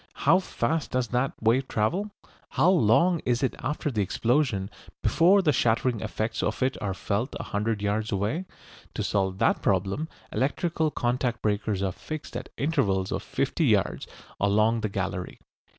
How fast does that wave travel? How long is it after the explosion before the shattering effects of it are felt a hundred yards away? To solve that problem electrical contact breakers are fixed at intervals of fifty yards along the gallery.